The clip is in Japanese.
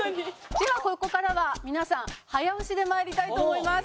ではここからは皆さん早押しでまいりたいと思います。